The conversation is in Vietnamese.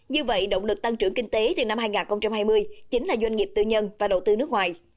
như vậy động lực tăng trưởng kinh tế từ năm hai nghìn hai mươi chính là doanh nghiệp tư nhân và đầu tư nước ngoài